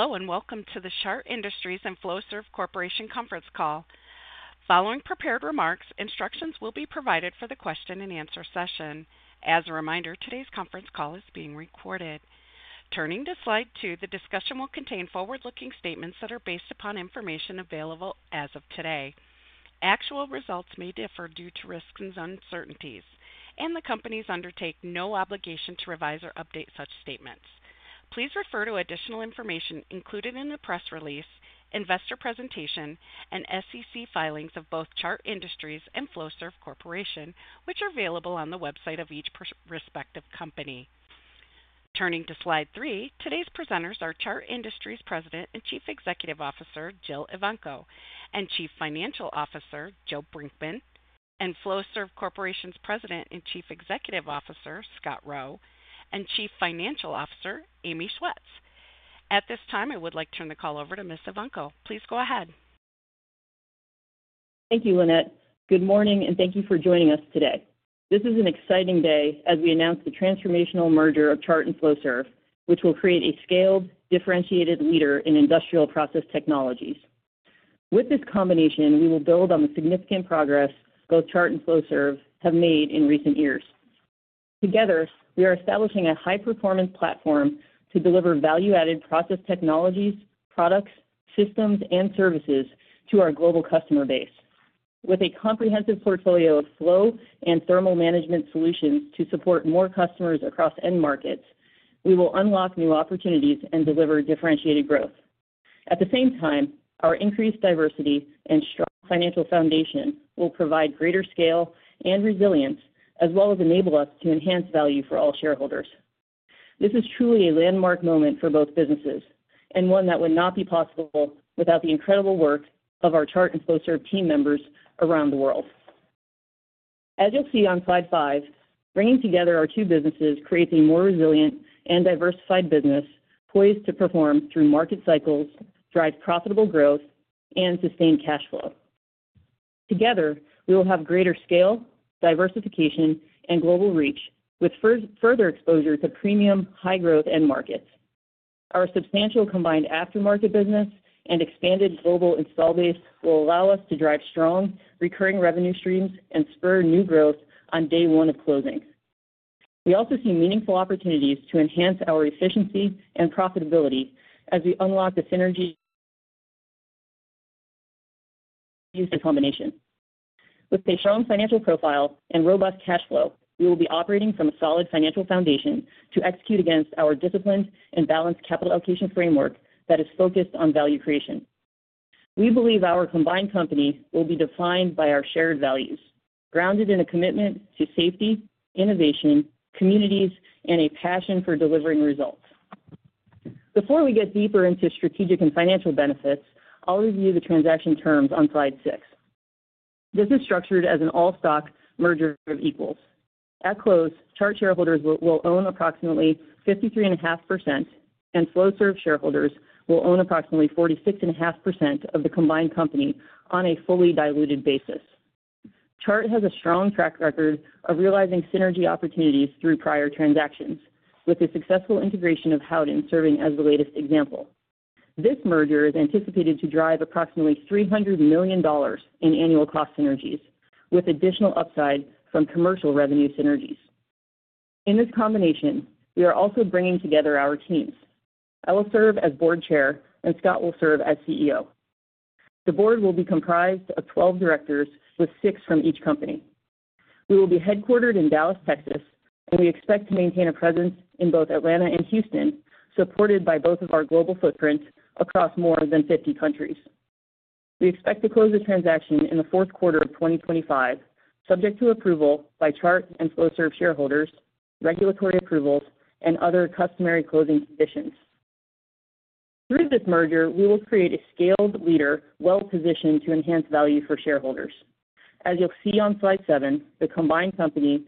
Hello, and welcome to the Chart Industries and Flowserve Corporation Conference Call. Following prepared remarks, instructions will be provided for the question-and-answer session. As a reminder, today's conference call is being recorded. Turning to slide two, the discussion will contain forward-looking statements that are based upon information available as of today. Actual results may differ due to risks and uncertainties, and the companies undertake no obligation to revise or update such statements. Please refer to additional information included in the press release, investor presentation, and SEC filings of both Chart Industries and Flowserve Corporation, which are available on the website of each respective company. Turning to slide three, today's presenters are Chart Industries President and Chief Executive Officer Jill Evanko, and Chief Financial Officer Joe Brinkman, and Flowserve Corporation's President and Chief Executive Officer Scott Rowe, and Chief Financial Officer Amy Schwartz. At this time, I would like to turn the call over to Ms. Evanko. Please go ahead. Thank you, Lynette. Good morning, and thank you for joining us today. This is an exciting day as we announce the transformational merger of Chart and Flowserve, which will create a scaled, differentiated leader in industrial process technologies. With this combination, we will build on the significant progress both Chart and Flowserve have made in recent years. Together, we are establishing a high-performance platform to deliver value-added process technologies, products, systems, and services to our global customer base. With a comprehensive portfolio of flow and thermal management solutions to support more customers across end markets, we will unlock new opportunities and deliver differentiated growth. At the same time, our increased diversity and strong financial foundation will provide greater scale and resilience, as well as enable us to enhance value for all shareholders. This is truly a landmark moment for both businesses, and one that would not be possible without the incredible work of our Chart and Flowserve team members around the world. As you'll see on slide five, bringing together our two businesses creates a more resilient and diversified business poised to perform through market cycles, drive profitable growth, and sustain cash flow. Together, we will have greater scale, diversification, and global reach, with further exposure to premium, high-growth end markets. Our substantial combined aftermarket business and expanded global install base will allow us to drive strong recurring revenue streams and spur new growth on day one of closing. We also see meaningful opportunities to enhance our efficiency and profitability as we unlock the synergy of these two combinations. With a strong financial profile and robust cash flow, we will be operating from a solid financial foundation to execute against our disciplined and balanced capital allocation framework that is focused on value creation. We believe our combined company will be defined by our shared values, grounded in a commitment to safety, innovation, communities, and a passion for delivering results. Before we get deeper into strategic and financial benefits, I'll review the transaction terms on slide six. This is structured as an all-stock merger of equals. At close, Chart shareholders will own approximately 53.5%, and Flowserve shareholders will own approximately 46.5% of the combined company on a fully diluted basis. Chart has a strong track record of realizing synergy opportunities through prior transactions, with the successful integration of Howden serving as the latest example. This merger is anticipated to drive approximately $300 million in annual cost synergies, with additional upside from commercial revenue synergies. In this combination, we are also bringing together our teams. I will serve as Board Chair, and Scott will serve as CEO. The Board will be comprised of 12 directors, with six from each company. We will be headquartered in Dallas, Texas, and we expect to maintain a presence in both Atlanta and Houston, supported by both of our global footprints across more than 50 countries. We expect to close the transaction in the fourth quarter of 2025, subject to approval by Chart and Flowserve shareholders, regulatory approvals, and other customary closing conditions. Through this merger, we will create a scaled leader well-positioned to enhance value for shareholders. As you'll see on slide seven, the combined company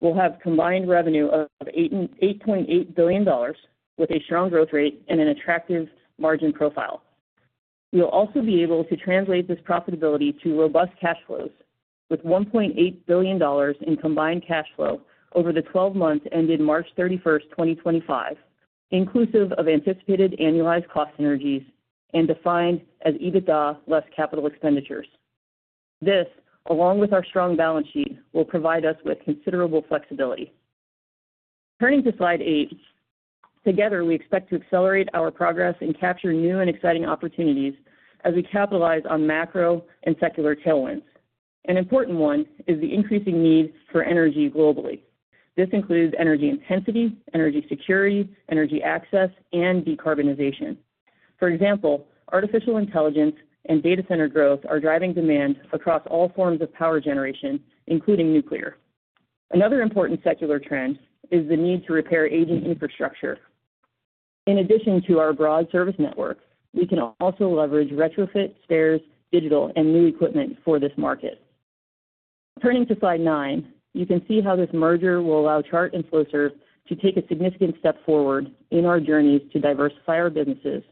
will have combined revenue of $8.8 billion, with a strong growth rate and an attractive margin profile. We'll also be able to translate this profitability to robust cash flows, with $1.8 billion in combined cash flow over the 12 months ended March 31st, 2025, inclusive of anticipated annualized cost synergies and defined as EBITDA less capital expenditures. This, along with our strong balance sheet, will provide us with considerable flexibility. Turning to slide eight, together, we expect to accelerate our progress and capture new and exciting opportunities as we capitalize on macro and secular tailwinds. An important one is the increasing need for energy globally. This includes energy intensity, energy security, energy access, and decarbonization. For example, artificial intelligence and data center growth are driving demand across all forms of power generation, including nuclear. Another important secular trend is the need to repair aging infrastructure. In addition to our broad service network, we can also leverage retrofits, spares, digital, and new equipment for this market. Turning to slide nine, you can see how this merger will allow Chart and Flowserve to take a significant step forward in our journeys to diversify our businesses,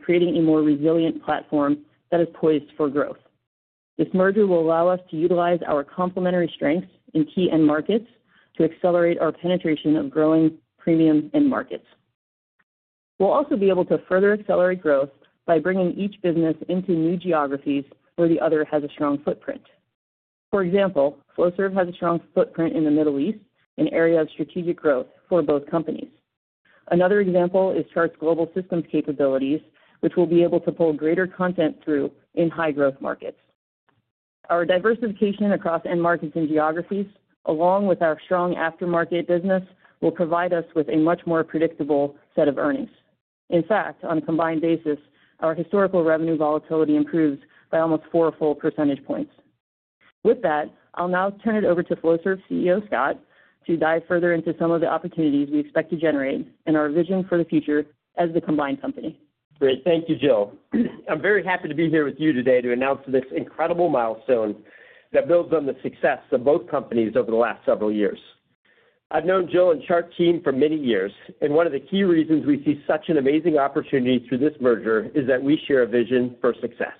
creating a more resilient platform that is poised for growth. This merger will allow us to utilize our complementary strengths in key end markets to accelerate our penetration of growing premium end markets. We'll also be able to further accelerate growth by bringing each business into new geographies where the other has a strong footprint. For example, Flowserve has a strong footprint in the Middle East, an area of strategic growth for both companies. Another example is Chart's global systems capabilities, which will be able to pull greater content through in high-growth markets. Our diversification across end markets and geographies, along with our strong aftermarket business, will provide us with a much more predictable set of earnings. In fact, on a combined basis, our historical revenue volatility improves by almost four full percentage points. With that, I'll now turn it over to Flowserve CEO Scott to dive further into some of the opportunities we expect to generate and our vision for the future as the combined company. Great. Thank you, Jill. I'm very happy to be here with you today to announce this incredible milestone that builds on the success of both companies over the last several years. I've known Jill and Chart's team for many years, and one of the key reasons we see such an amazing opportunity through this merger is that we share a vision for success.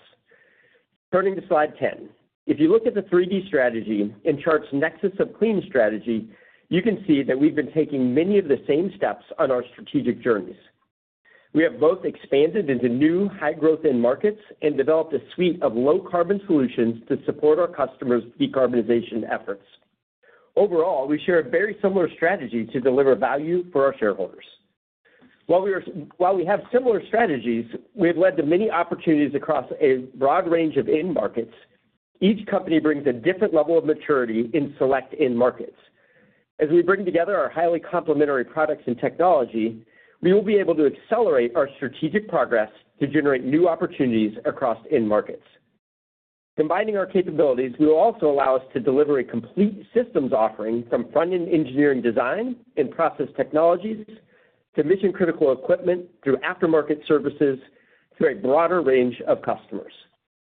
Turning to slide ten, if you look at the 3D strategy in Chart's nexus of clean strategy, you can see that we've been taking many of the same steps on our strategic journeys. We have both expanded into new high-growth end markets and developed a suite of low-carbon solutions to support our customers' decarbonization efforts. Overall, we share a very similar strategy to deliver value for our shareholders. While we have similar strategies, we have led to many opportunities across a broad range of end markets. Each company brings a different level of maturity in select end markets. As we bring together our highly complementary products and technology, we will be able to accelerate our strategic progress to generate new opportunities across end markets. Combining our capabilities, we will also allow us to deliver a complete systems offering from front-end engineering design and process technologies to mission-critical equipment through aftermarket services to a broader range of customers.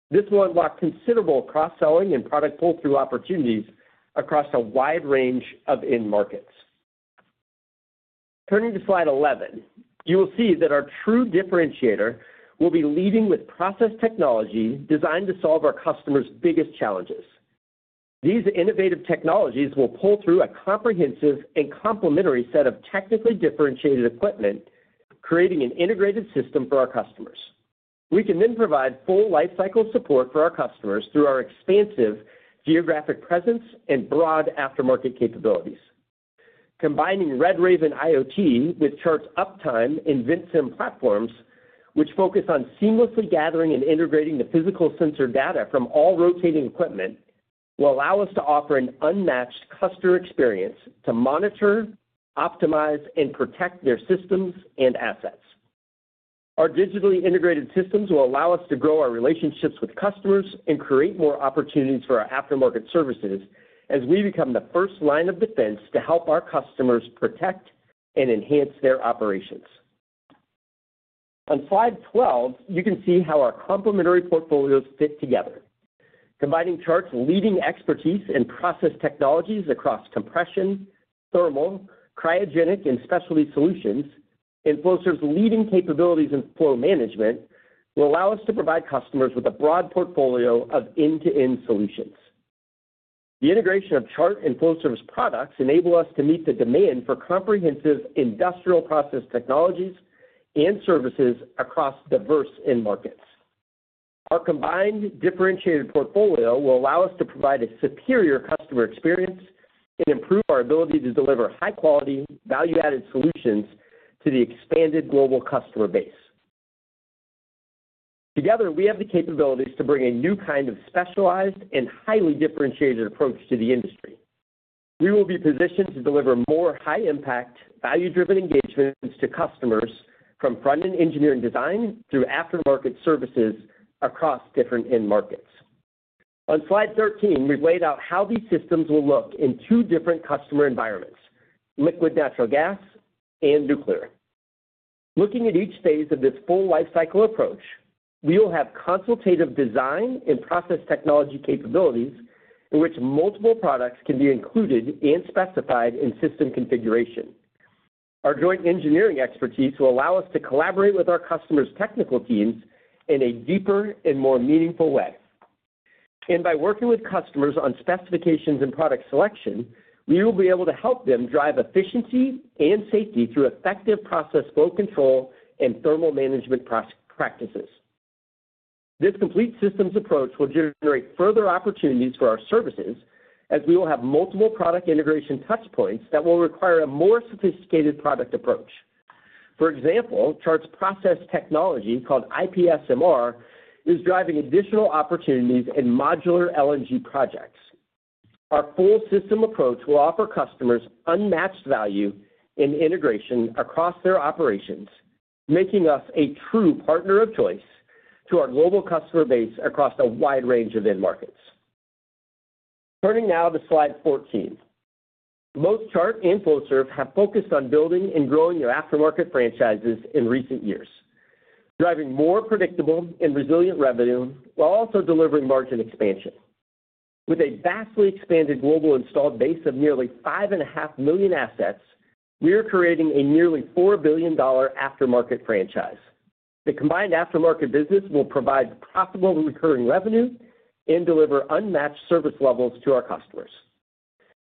This will unlock considerable cross-selling and product pull-through opportunities across a wide range of end markets. Turning to slide 11, you will see that our true differentiator will be leading with process technology designed to solve our customers' biggest challenges. These innovative technologies will pull through a comprehensive and complementary set of technically differentiated equipment, creating an integrated system for our customers. We can then provide full lifecycle support for our customers through our expansive geographic presence and broad aftermarket capabilities. Combining RedRaven IoT with Chart's Uptime and WinSim platforms, which focus on seamlessly gathering and integrating the physical sensor data from all rotating equipment, will allow us to offer an unmatched customer experience to monitor, optimize, and protect their systems and assets. Our digitally integrated systems will allow us to grow our relationships with customers and create more opportunities for our aftermarket services as we become the first line of defense to help our customers protect and enhance their operations. On slide 12, you can see how our complementary portfolios fit together. Combining Chart's leading expertise in process technologies across compression, thermal, cryogenic, and specialty solutions, and Flowserve's leading capabilities in flow management will allow us to provide customers with a broad portfolio of end-to-end solutions. The integration of Chart and Flowserve's products enables us to meet the demand for comprehensive industrial process technologies and services across diverse end markets. Our combined differentiated portfolio will allow us to provide a superior customer experience and improve our ability to deliver high-quality, value-added solutions to the expanded global customer base. Together, we have the capabilities to bring a new kind of specialized and highly differentiated approach to the industry. We will be positioned to deliver more high-impact, value-driven engagements to customers from front-end engineering design through aftermarket services across different end markets. On slide 13, we've laid out how these systems will look in two different customer environments: liquid natural gas and nuclear. Looking at each phase of this full lifecycle approach, we will have consultative design and process technology capabilities in which multiple products can be included and specified in system configuration. Our joint engineering expertise will allow us to collaborate with our customers' technical teams in a deeper and more meaningful way. By working with customers on specifications and product selection, we will be able to help them drive efficiency and safety through effective process flow control and thermal management practices. This complete systems approach will generate further opportunities for our services as we will have multiple product integration touchpoints that will require a more sophisticated product approach. For example, Chart's process technology called IPSMR is driving additional opportunities in modular LNG projects. Our full system approach will offer customers unmatched value and integration across their operations, making us a true partner of choice to our global customer base across a wide range of end markets. Turning now to slide 14, both Chart and Flowserve have focused on building and growing their aftermarket franchises in recent years, driving more predictable and resilient revenue while also delivering margin expansion. With a vastly expanded global installed base of nearly 5.5 million assets, we are creating a nearly $4 billion aftermarket franchise. The combined aftermarket business will provide profitable recurring revenue and deliver unmatched service levels to our customers.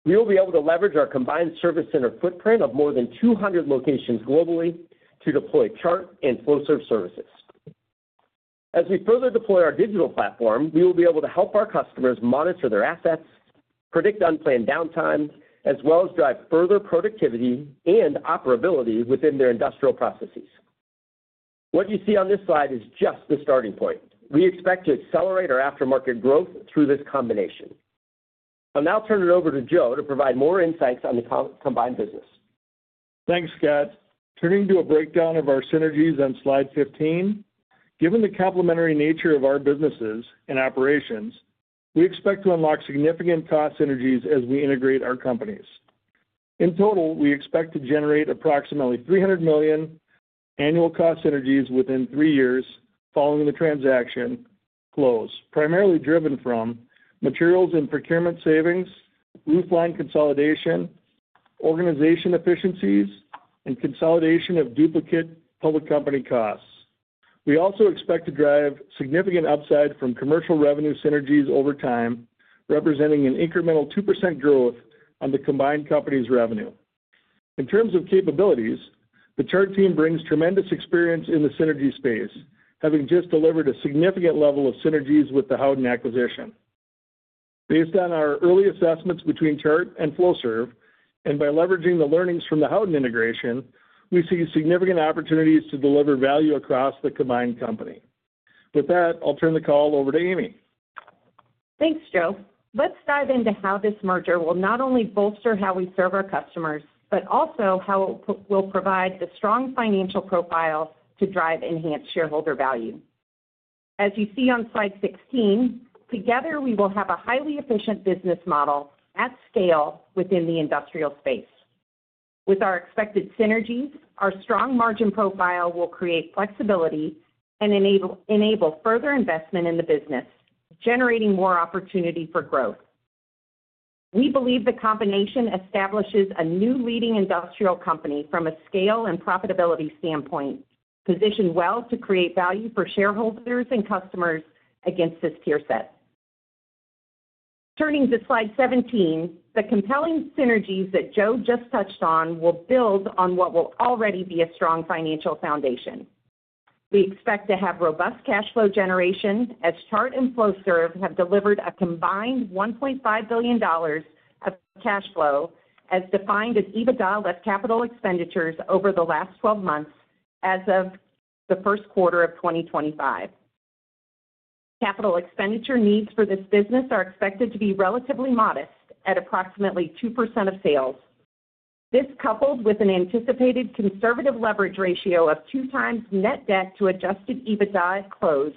We will be able to leverage our combined service center footprint of more than 200 locations globally to deploy Chart and Flowserve services. As we further deploy our digital platform, we will be able to help our customers monitor their assets, predict unplanned downtime, as well as drive further productivity and operability within their industrial processes. What you see on this slide is just the starting point. We expect to accelerate our aftermarket growth through this combination. I'll now turn it over to Joe to provide more insights on the combined business. Thanks, Scott. Turning to a breakdown of our synergies on slide 15, given the complementary nature of our businesses and operations, we expect to unlock significant cost synergies as we integrate our companies. In total, we expect to generate approximately $300 million annual cost synergies within three years following the transaction close, primarily driven from materials and procurement savings, roofline consolidation, organization efficiencies, and consolidation of duplicate public company costs. We also expect to drive significant upside from commercial revenue synergies over time, representing an incremental 2% growth on the combined company's revenue. In terms of capabilities, the Chart team brings tremendous experience in the synergy space, having just delivered a significant level of synergies with the Howden acquisition. Based on our early assessments between Chart and Flowserve and by leveraging the learnings from the Howden integration, we see significant opportunities to deliver value across the combined company. With that, I'll turn the call over to Amy. Thanks, Joe. Let's dive into how this merger will not only bolster how we serve our customers, but also how it will provide the strong financial profile to drive enhanced shareholder value. As you see on slide 16, together, we will have a highly efficient business model at scale within the industrial space. With our expected synergies, our strong margin profile will create flexibility and enable further investment in the business, generating more opportunity for growth. We believe the combination establishes a new leading industrial company from a scale and profitability standpoint, positioned well to create value for shareholders and customers against this tier set. Turning to slide 17, the compelling synergies that Joe just touched on will build on what will already be a strong financial foundation. We expect to have robust cash flow generation as Chart and Flowserve have delivered a combined $1.5 billion of cash flow as defined as EBITDA less capital expenditures over the last 12 months as of the first quarter of 2025. Capital expenditure needs for this business are expected to be relatively modest at approximately 2% of sales. This, coupled with an anticipated conservative leverage ratio of 2x net debt to adjusted EBITDA at close,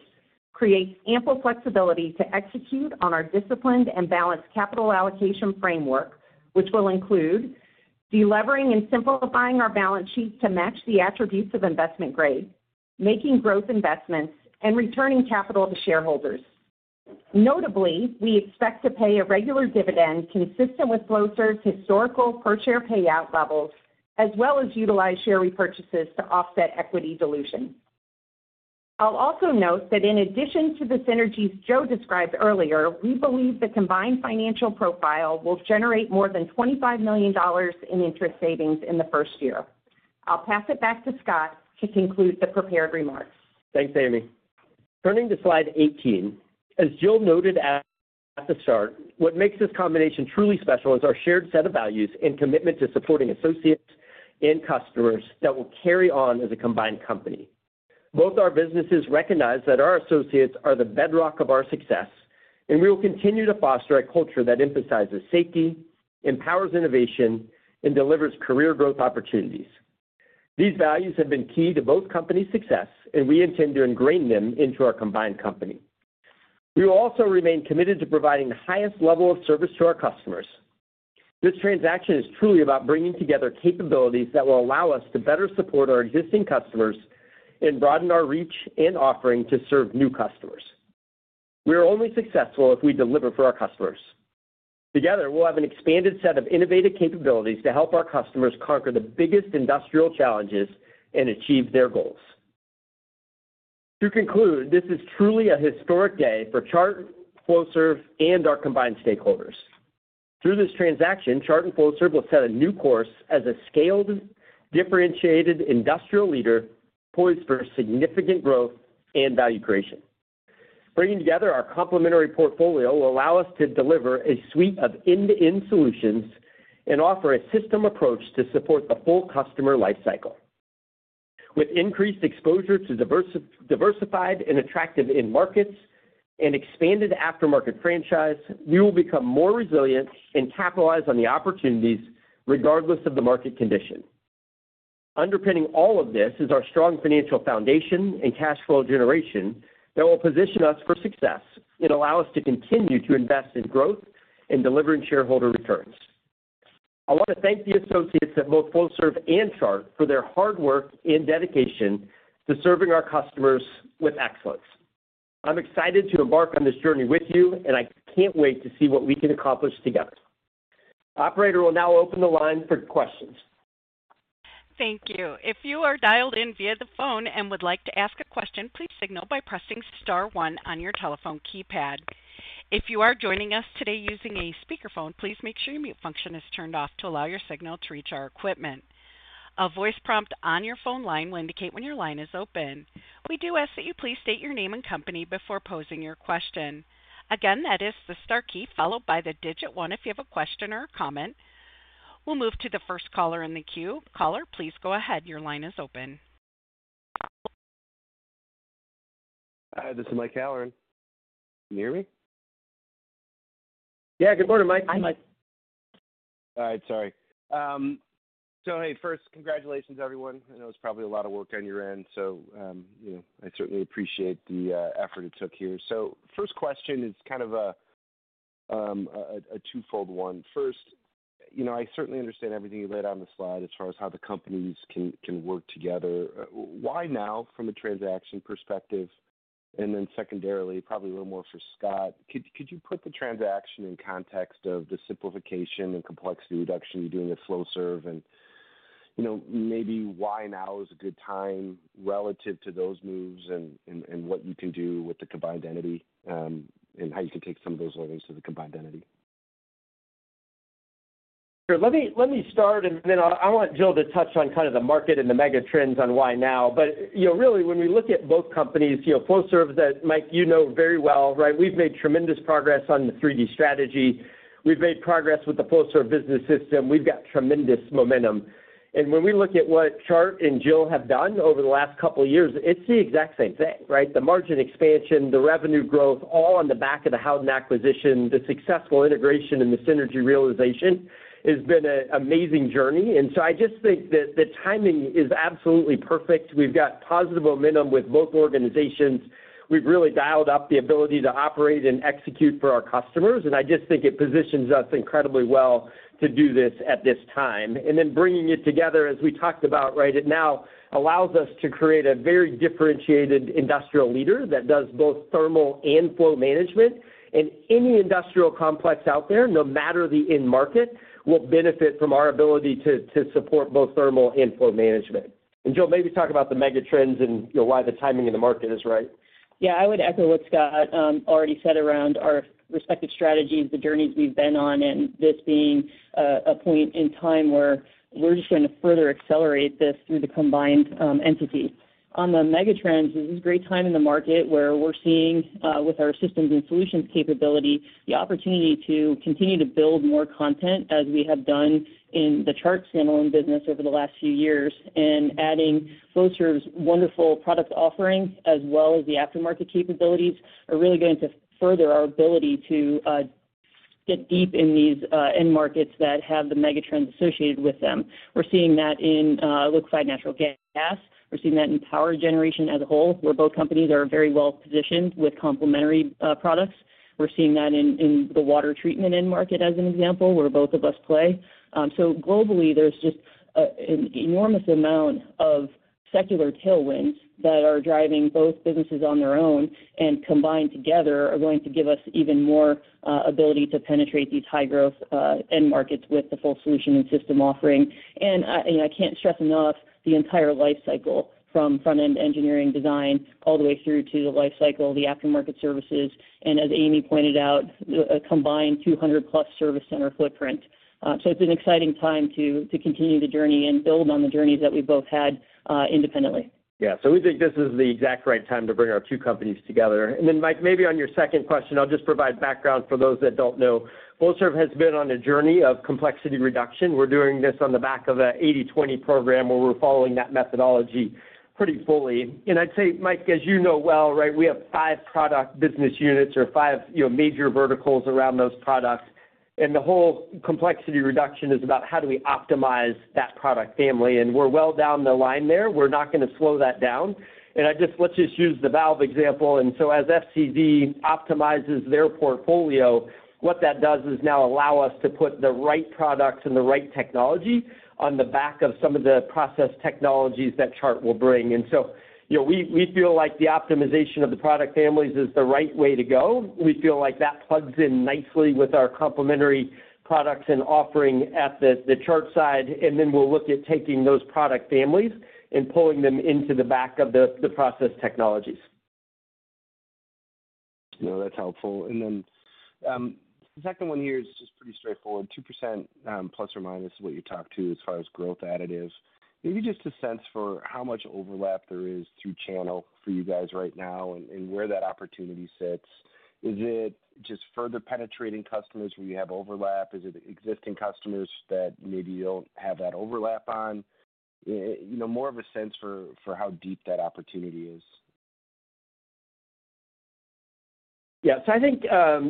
creates ample flexibility to execute on our disciplined and balanced capital allocation framework, which will include delivering and simplifying our balance sheet to match the attributes of investment grade, making growth investments, and returning capital to shareholders. Notably, we expect to pay a regular dividend consistent with Flowserve's historical per-share payout levels, as well as utilize share repurchases to offset equity dilution. I'll also note that in addition to the synergies Joe described earlier, we believe the combined financial profile will generate more than $25 million in interest savings in the first year. I'll pass it back to Scott to conclude the prepared remarks. Thanks, Amy. Turning to slide 18, as Jill noted at the start, what makes this combination truly special is our shared set of values and commitment to supporting associates and customers that will carry on as a combined company. Both our businesses recognize that our associates are the bedrock of our success, and we will continue to foster a culture that emphasizes safety, empowers innovation, and delivers career growth opportunities. These values have been key to both companies' success, and we intend to ingrain them into our combined company. We will also remain committed to providing the highest level of service to our customers. This transaction is truly about bringing together capabilities that will allow us to better support our existing customers and broaden our reach and offering to serve new customers. We are only successful if we deliver for our customers. Together, we'll have an expanded set of innovative capabilities to help our customers conquer the biggest industrial challenges and achieve their goals. To conclude, this is truly a historic day for Chart, Flowserve, and our combined stakeholders. Through this transaction, Chart and Flowserve will set a new course as a scaled, differentiated industrial leader poised for significant growth and value creation. Bringing together our complementary portfolio will allow us to deliver a suite of end-to-end solutions and offer a system approach to support the full customer lifecycle. With increased exposure to diversified and attractive end markets and expanded aftermarket franchise, we will become more resilient and capitalize on the opportunities regardless of the market condition. Underpinning all of this is our strong financial foundation and cash flow generation that will position us for success and allow us to continue to invest in growth and delivering shareholder returns. I want to thank the associates at both Flowserve and Chart for their hard work and dedication to serving our customers with excellence. I'm excited to embark on this journey with you, and I can't wait to see what we can accomplish together. Operator will now open the line for questions. Thank you. If you are dialed in via the phone and would like to ask a question, please signal by pressing star one on your telephone keypad. If you are joining us today using a speakerphone, please make sure your mute function is turned off to allow your signal to reach our equipment. A voice prompt on your phone line will indicate when your line is open. We do ask that you please state your name and company before posing your question. Again, that is the star key followed by the digit one if you have a question or a comment. We'll move to the first caller in the queue. Caller, please go ahead. Your line is open. Hi, this is Mike Halloran. Can you hear me? Yeah, good morning, Mike. Hi, Mike. All right, sorry. Hey, first, congratulations, everyone. I know it's probably a lot of work on your end, so I certainly appreciate the effort it took here. First question is kind of a twofold one. First, I certainly understand everything you laid out on the slide as far as how the companies can work together. Why now from a transaction perspective? Then secondarily, probably a little more for Scott, could you put the transaction in context of the simplification and complexity reduction you're doing with Flowserve? Maybe why now is a good time relative to those moves and what you can do with the combined entity and how you can take some of those learnings to the combined entity? Sure. Let me start, and then I want Joe to touch on kind of the market and the mega trends on why now. Really, when we look at both companies, Flowserve that Mike, you know very well, right? We've made tremendous progress on the 3D strategy. We've made progress with the Flowserve business system. We've got tremendous momentum. When we look at what Chart and Jill have done over the last couple of years, it's the exact same thing, right? The margin expansion, the revenue growth, all on the back of the Howden acquisition, the successful integration, and the synergy realization has been an amazing journey. I just think that the timing is absolutely perfect. We've got positive momentum with both organizations. We've really dialed up the ability to operate and execute for our customers. I just think it positions us incredibly well to do this at this time. Bringing it together, as we talked about, it now allows us to create a very differentiated industrial leader that does both thermal and flow management. Any industrial complex out there, no matter the end market, will benefit from our ability to support both thermal and flow management. Joe, maybe talk about the mega trends and why the timing in the market is right. Yeah, I would echo what Scott already said around our respective strategies, the journeys we've been on, and this being a point in time where we're just going to further accelerate this through the combined entity. On the mega trends, this is a great time in the market where we're seeing, with our systems and solutions capability, the opportunity to continue to build more content as we have done in the Chart standalone business over the last few years. Adding Flowserve's wonderful product offering as well as the aftermarket capabilities are really going to further our ability to get deep in these end markets that have the mega trends associated with them. We're seeing that in liquefied natural gas. We're seeing that in power generation as a whole, where both companies are very well positioned with complementary products. We're seeing that in the water treatment end market as an example, where both of us play. Globally, there's just an enormous amount of secular tailwinds that are driving both businesses on their own and combined together are going to give us even more ability to penetrate these high-growth end markets with the full solution and system offering. I can't stress enough the entire life cycle from front-end engineering design all the way through to the life cycle, the aftermarket services, and as Amy pointed out, a combined 200+ service center footprint. It's an exciting time to continue the journey and build on the journeys that we've both had independently. Yeah. We think this is the exact right time to bring our two companies together. Mike, maybe on your second question, I'll just provide background for those that do not know. Flowserve has been on a journey of complexity reduction. We're doing this on the back of an 80/20 program where we're following that methodology pretty fully. I'd say, Mike, as you know well, we have five product business units or five major verticals around those products. The whole complexity reduction is about how do we optimize that product family. We're well down the line there. We're not going to slow that down. Let's just use the valve example. As FCV optimizes their portfolio, what that does is now allow us to put the right products and the right technology on the back of some of the process technologies that Chart will bring. We feel like the optimization of the product families is the right way to go. We feel like that plugs in nicely with our complementary products and offering at the Chart side. Then we'll look at taking those product families and pulling them into the back of the process technologies. No, that's helpful. The second one here is just pretty straightforward. 2%± is what you talked to as far as growth additive. Maybe just a sense for how much overlap there is through channel for you guys right now and where that opportunity sits. Is it just further penetrating customers where you have overlap? Is it existing customers that maybe you don't have that overlap on? More of a sense for how deep that opportunity is? Yeah. So I think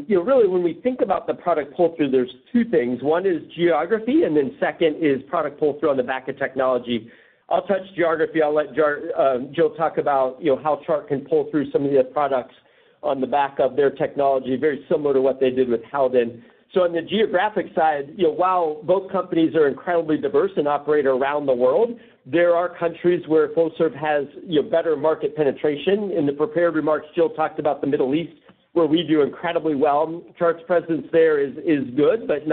really, when we think about the product culture, there's two things. One is geography, and then second is product pull-through on the back of technology. I'll touch geography. I'll let Joe talk about how Chart can pull through some of the products on the back of their technology, very similar to what they did with Howden. On the geographic side, while both companies are incredibly diverse and operate around the world, there are countries where Flowserve has better market penetration. In the prepared remarks, Joe talked about the Middle East, where we do incredibly well. Chart's presence there is good, but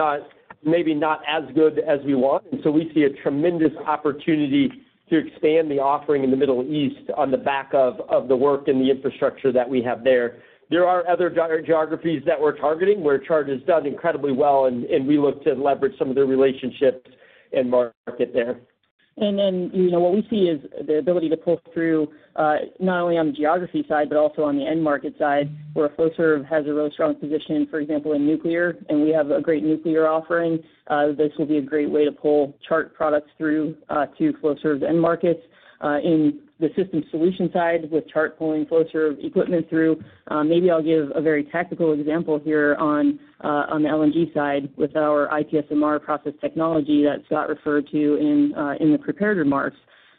maybe not as good as we want. We see a tremendous opportunity to expand the offering in the Middle East on the back of the work and the infrastructure that we have there. There are other geographies that we're targeting where Chart has done incredibly well, and we look to leverage some of their relationships and market there. What we see is the ability to pull through not only on the geography side, but also on the end market side, where Flowserve has a real strong position, for example, in nuclear, and we have a great nuclear offering. This will be a great way to pull Chart products through to Flowserve's end markets. In the system solution side, with Chart pulling Flowserve equipment through, maybe I'll give a very tactical example here on the LNG side with our IPSMR process technology that Scott referred to in the prepared remarks.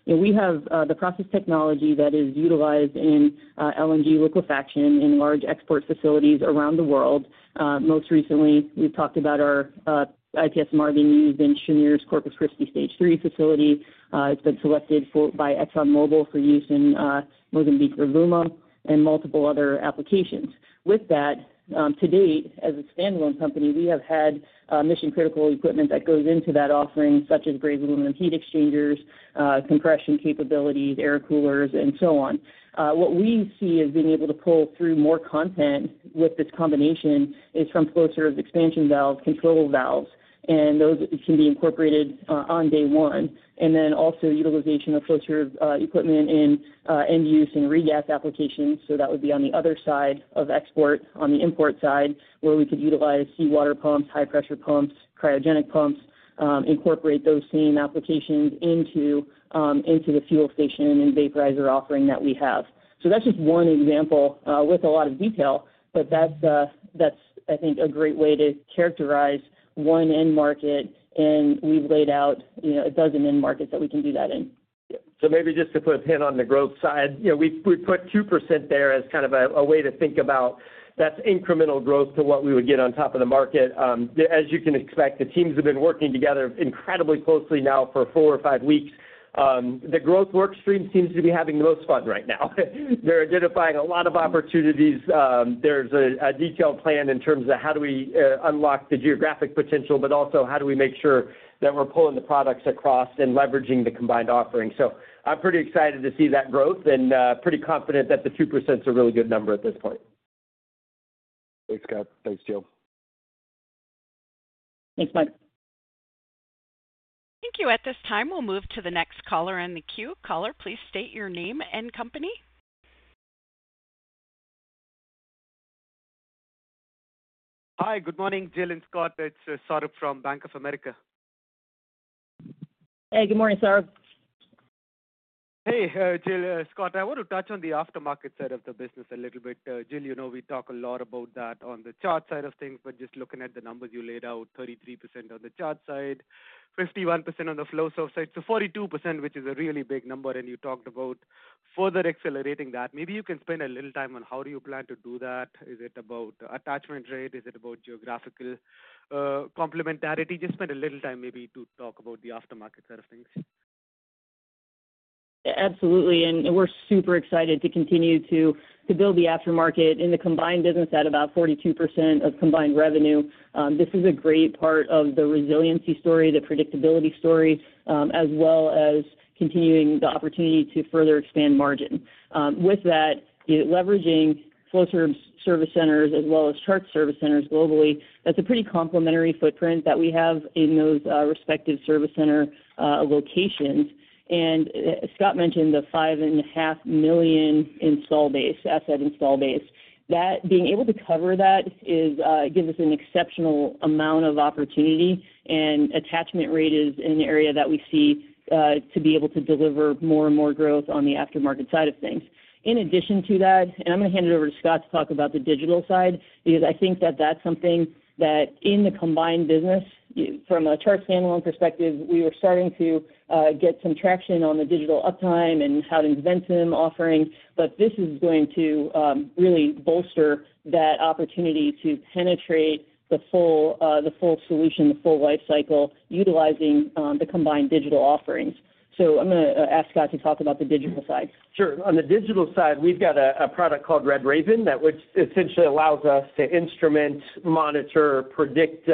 We have the process technology that is utilized in LNG liquefaction in large export facilities around the world. Most recently, we've talked about our IPSMR being used in Cheniere's Corpus Christi stage three facility. It's been selected by ExxonMobil for use in Mozambique's Rovuma and multiple other applications. With that, to date, as a standalone company, we have had mission-critical equipment that goes into that offering, such as brazed aluminum heat exchangers, compression capabilities, air coolers, and so on. What we see is being able to pull through more content with this combination is from Flowserve's expansion valves, control valves, and those can be incorporated on day one. Also, utilization of Flowserve equipment in end-use and re-gas applications. That would be on the other side of export, on the import side, where we could utilize seawater pumps, high-pressure pumps, cryogenic pumps, incorporate those same applications into the fuel station and vaporizer offering that we have. That is just one example with a lot of detail, but that is, I think, a great way to characterize one end market, and we have laid out a dozen end markets that we can do that in. Maybe just to put a pin on the growth side, we put 2% there as kind of a way to think about that's incremental growth to what we would get on top of the market. As you can expect, the teams have been working together incredibly closely now for four or five weeks. The growth workstream seems to be having the most fun right now. They're identifying a lot of opportunities. There's a detailed plan in terms of how do we unlock the geographic potential, but also how do we make sure that we're pulling the products across and leveraging the combined offering. I'm pretty excited to see that growth and pretty confident that the 2% is a really good number at this point. Thanks, Scott. Thanks, Joe. Thanks, Mike. Thank you. At this time, we'll move to the next caller on the queue. Caller, please state your name and company. Hi, good morning, Jill and Scott. It's Saurabh from Bank of America. Hey, good morning, Saurabh. Hey, Jill, Scott. I want to touch on the aftermarket side of the business a little bit. Jill, you know we talk a lot about that on the Chart side of things, but just looking at the numbers you laid out, 33% on the Chart side, 51% on the Flowserve side. So 42%, which is a really big number, and you talked about further accelerating that. Maybe you can spend a little time on how do you plan to do that? Is it about attachment rate? Is it about geographical complementarity? Just spend a little time maybe to talk about the aftermarket side of things. Absolutely. We are super excited to continue to build the aftermarket in the combined business at about 42% of combined revenue. This is a great part of the resiliency story, the predictability story, as well as continuing the opportunity to further expand margin. With that, leveraging Flowserve's service centers as well as Chart's service centers globally, that is a pretty complementary footprint that we have in those respective service center locations. Scott mentioned the 5.5 million install base, asset install base. That being able to cover that gives us an exceptional amount of opportunity, and attachment rate is an area that we see to be able to deliver more and more growth on the aftermarket side of things. In addition to that, and I'm going to hand it over to Scott to talk about the digital side, because I think that that's something that in the combined business, from a Chart standalone perspective, we were starting to get some traction on the digital uptime and how to invent them offering. But this is going to really bolster that opportunity to penetrate the full solution, the full life cycle, utilizing the combined digital offerings. So I'm going to ask Scott to talk about the digital side. Sure. On the digital side, we've got a product called RedRaven that essentially allows us to instrument, monitor, predict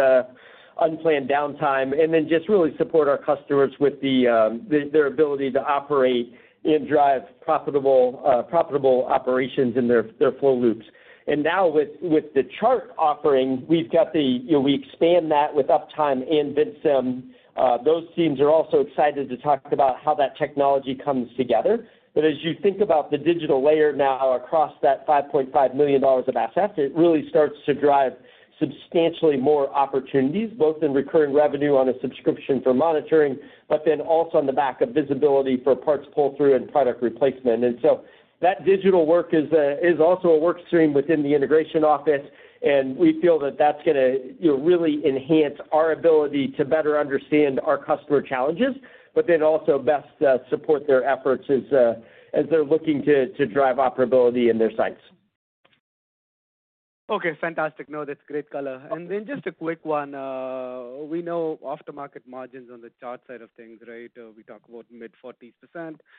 unplanned downtime, and then just really support our customers with their ability to operate and drive profitable operations in their flow loops. Now with the Chart offering, we expand that with Uptime and WinSim. Those teams are also excited to talk about how that technology comes together. As you think about the digital layer now across that $5.5 million of assets, it really starts to drive substantially more opportunities, both in recurring revenue on a subscription for monitoring, but also on the back of visibility for parts pull-through and product replacement. That digital work is also a workstream within the integration office, and we feel that that's going to really enhance our ability to better understand our customer challenges, but then also best support their efforts as they're looking to drive operability in their sites. Okay. Fantastic. No, that's great color. And then just a quick one. We know aftermarket margins on the Chart side of things, right? We talk about mid 40%.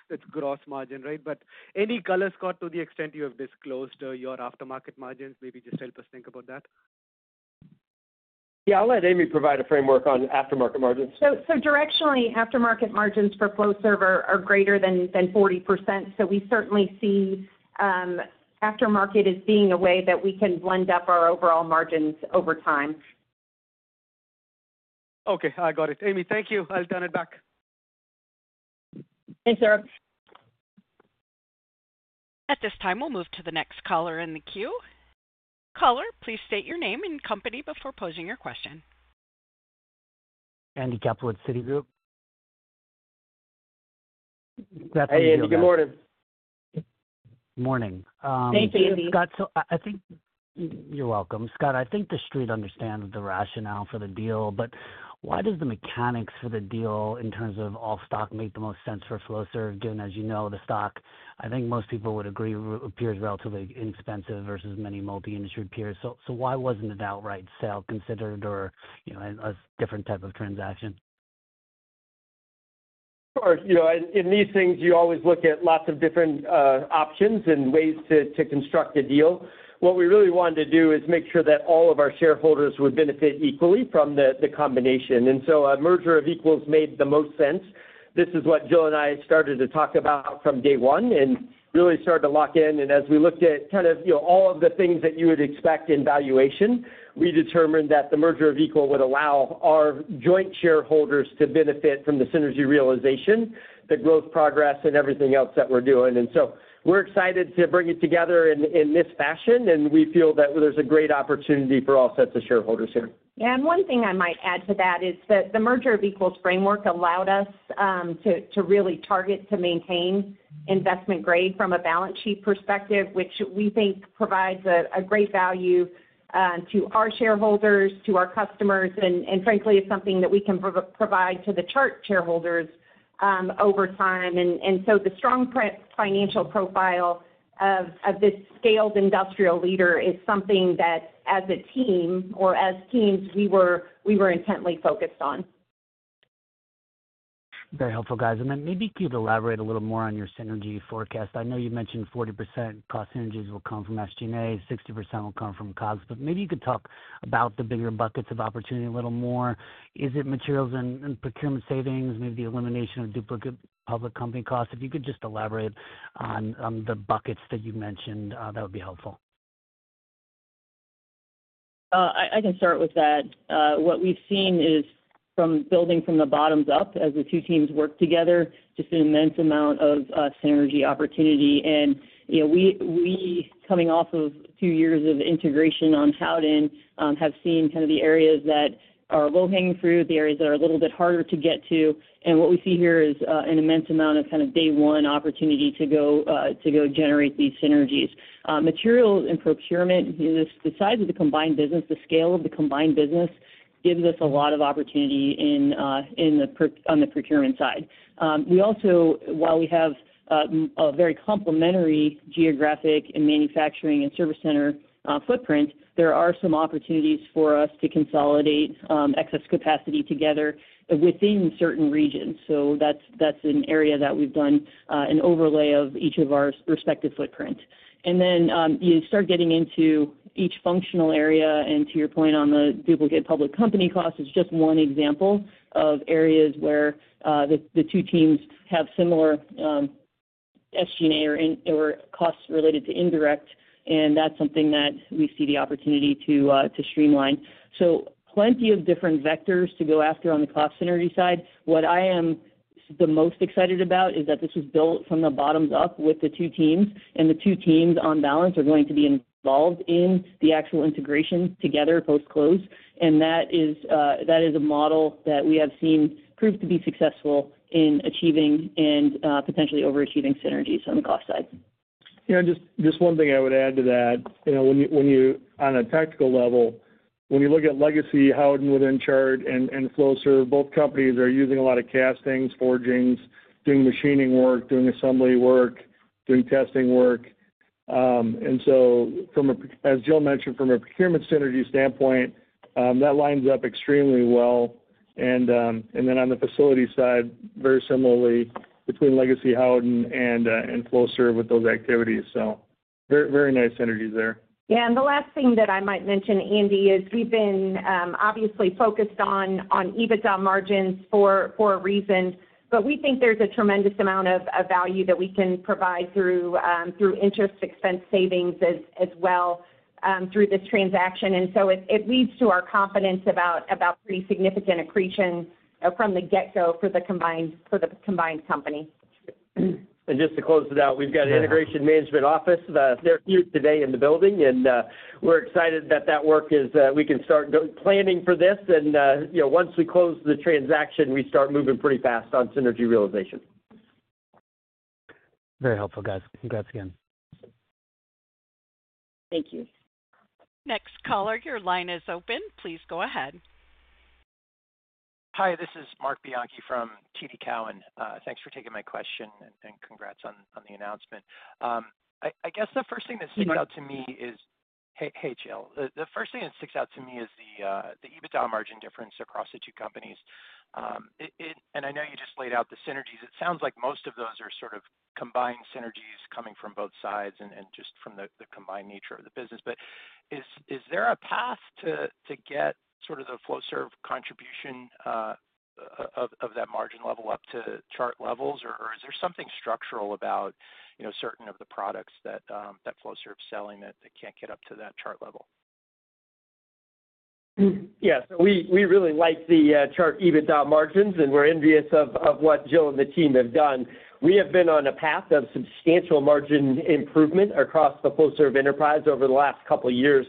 That's gross margin, right? But any color, Scott, to the extent you have disclosed your aftermarket margins, maybe just help us think about that. Yeah. I'll let Amy provide a framework on aftermarket margins. Directionally, aftermarket margins for Flowserve are greater than 40%. We certainly see aftermarket as being a way that we can blend up our overall margins over time. Okay. I got it. Amy, thank you. I'll turn it back. Thanks, Saurabh. At this time, we'll move to the next caller in the queue. Caller, please state your name and company before posing your question. Andy Kaplowitz, Citigroup. Hey, Andy. Good morning. Morning. Thank you, Andy. I think you're welcome. Scott, I think the street understands the rationale for the deal, but why does the mechanics for the deal in terms of all stock make the most sense for Flowserve? Given, as you know, the stock, I think most people would agree appears relatively inexpensive versus many multi-industry peers. Why wasn't an outright sale considered or a different type of transaction? Sure. In these things, you always look at lots of different options and ways to construct a deal. What we really wanted to do is make sure that all of our shareholders would benefit equally from the combination. A merger of equals made the most sense. This is what Jill and I started to talk about from day one and really started to lock in. As we looked at kind of all of the things that you would expect in valuation, we determined that the merger of equals would allow our joint shareholders to benefit from the synergy realization, the growth progress, and everything else that we're doing. We are excited to bring it together in this fashion, and we feel that there's a great opportunity for all sets of shareholders here. Yeah. One thing I might add to that is that the merger of equals framework allowed us to really target to maintain investment grade from a balance sheet perspective, which we think provides a great value to our shareholders, to our customers, and frankly, it's something that we can provide to the Chart shareholders over time. The strong financial profile of this scaled industrial leader is something that, as a team or as teams, we were intently focused on. Very helpful, guys. Maybe could you elaborate a little more on your synergy forecast? I know you mentioned 40% cost synergies will come from SG&A, 60% will come from COGS, but maybe you could talk about the bigger buckets of opportunity a little more. Is it materials and procurement savings, maybe the elimination of duplicate public company costs? If you could just elaborate on the buckets that you mentioned, that would be helpful. I can start with that. What we've seen is from building from the bottoms up, as the two teams work together, just an immense amount of synergy opportunity. We, coming off of two years of integration on Howden, have seen kind of the areas that are low-hanging fruit, the areas that are a little bit harder to get to. What we see here is an immense amount of kind of day one opportunity to go generate these synergies. Materials and procurement, the size of the combined business, the scale of the combined business gives us a lot of opportunity on the procurement side. We also, while we have a very complementary geographic and manufacturing and service center footprint, there are some opportunities for us to consolidate excess capacity together within certain regions. That is an area that we've done an overlay of each of our respective footprints. You start getting into each functional area, and to your point on the duplicate public company cost is just one example of areas where the two teams have similar SG&A or costs related to indirect, and that is something that we see the opportunity to streamline. Plenty of different vectors to go after on the cost synergy side. What I am the most excited about is that this was built from the bottoms up with the two teams, and the two teams on balance are going to be involved in the actual integration together post-close. That is a model that we have seen prove to be successful in achieving and potentially overachieving synergies on the cost side. Yeah. Just one thing I would add to that. On a tactical level, when you look at legacy Howden within Chart and Flowserve, both companies are using a lot of castings, forgings, doing machining work, doing assembly work, doing testing work. As Jill mentioned, from a procurement synergy standpoint, that lines up extremely well. On the facility side, very similarly between legacy Howden and Flowserve with those activities. Very nice synergies there. Yeah. The last thing that I might mention, Andy, is we've been obviously focused on EBITDA margins for a reason, but we think there's a tremendous amount of value that we can provide through interest expense savings as well through this transaction. It leads to our confidence about pretty significant accretion from the get-go for the combined company. Just to close it out, we've got an integration management office. They're here today in the building, and we're excited that that work is we can start planning for this. Once we close the transaction, we start moving pretty fast on synergy realization. Very helpful, guys. Congrats again. Thank you. Next caller, your line is open. Please go ahead. Hi, this is Marc Bianchi from TD Cowen. Thanks for taking my question and congrats on the announcement. I guess the first thing that sticks out to me is, hey, Jill, the first thing that sticks out to me is the EBITDA margin difference across the two companies. I know you just laid out the synergies. It sounds like most of those are sort of combined synergies coming from both sides and just from the combined nature of the business. Is there a path to get sort of the Flowserve contribution of that margin level up to Chart levels, or is there something structural about certain of the products that Flowserve is selling that can't get up to that Chart level? Yeah. We really like the Chart EBITDA margins, and we're envious of what Jill and the team have done. We have been on a path of substantial margin improvement across the Flowserve enterprise over the last couple of years.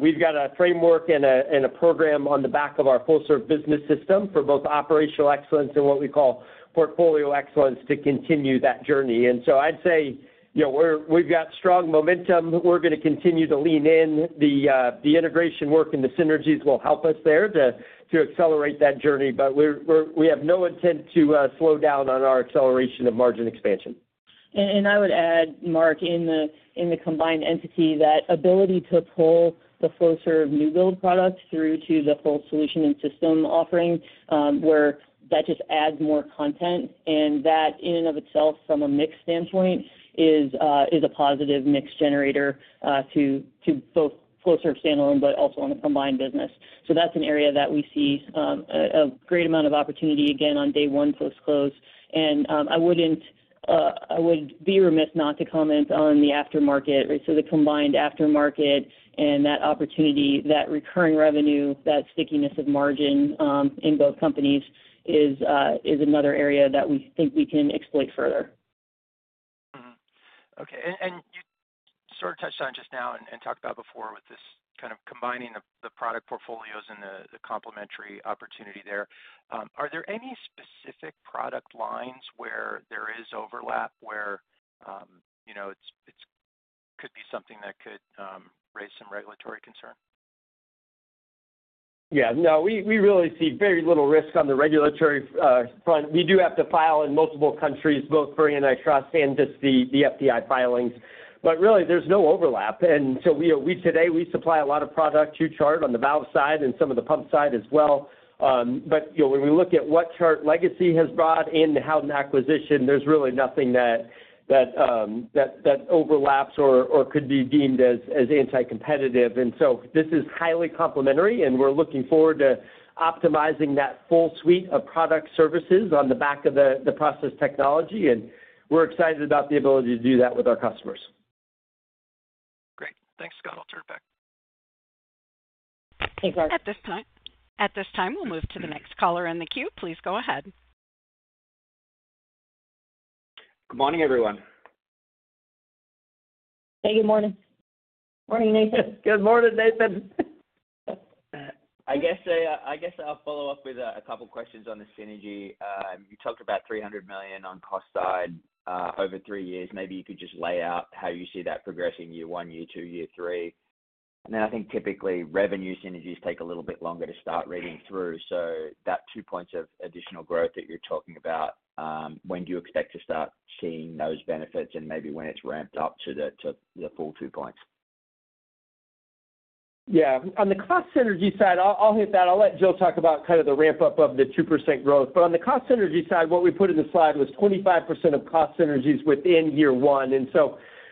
We've got a framework and a program on the back of our Flowserve business system for both operational excellence and what we call portfolio excellence to continue that journey. I'd say we've got strong momentum. We're going to continue to lean in. The integration work and the synergies will help us there to accelerate that journey, but we have no intent to slow down on our acceleration of margin expansion. I would add, Mark, in the combined entity, that ability to pull the Flowserve new build products through to the full solution and system offering where that just adds more content. That in and of itself, from a mix standpoint, is a positive mix generator to both Flowserve standalone, but also on the combined business. That is an area that we see a great amount of opportunity again on day one post-close. I would be remiss not to comment on the aftermarket, right? The combined aftermarket and that opportunity, that recurring revenue, that stickiness of margin in both companies is another area that we think we can exploit further. Okay. You sort of touched on it just now and talked about before with this kind of combining the product portfolios and the complementary opportunity there. Are there any specific product lines where there is overlap where it could be something that could raise some regulatory concern? Yeah. No, we really see very little risk on the regulatory front. We do have to file in multiple countries, both for antitrust and just the FDI filings. Really, there's no overlap. Today, we supply a lot of product to Chart on the valve side and some of the pump side as well. When we look at what Chart legacy has brought and Howden acquisition, there's really nothing that overlaps or could be deemed as anti-competitive. This is highly complementary, and we're looking forward to optimizing that full suite of product services on the back of the process technology. We're excited about the ability to do that with our customers. Great. Thanks, Scott. I'll turn it back. Thanks, Marc. At this time, we'll move to the next caller in the queue. Please go ahead. Good morning, everyone. Hey, good morning. Morning, Nathan. Good morning, Nathan. I guess I'll follow up with a couple of questions on the synergy. You talked about $300 million on cost side over three years. Maybe you could just lay out how you see that progressing year one, year two, year three. I think typically revenue synergies take a little bit longer to start reading through. That two points of additional growth that you're talking about, when do you expect to start seeing those benefits and maybe when it's ramped up to the full two points? Yeah. On the cost synergy side, I'll hit that. I'll let Jill talk about kind of the ramp-up of the 2% growth. On the cost synergy side, what we put in the slide was 25% of cost synergies within year one.